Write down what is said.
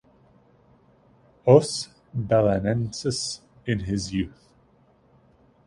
Os Belenenses in his youth.